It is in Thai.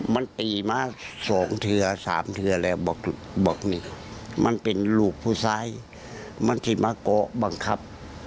มันตีมา๒เทือ๓เทือแล้วบอกนี่มันเป็นลูกผู้ชายบางทีมาเกาะบังคับ